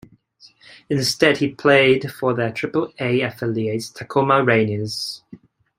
Instead he played for their Triple-A affiliate Tacoma Rainiers.